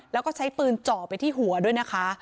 แล้วก็ใช้ปืนเจาะไปที่หัวด้วยนะคะ